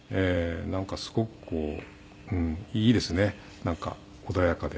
なんかすごくこういいですねなんか穏やかで。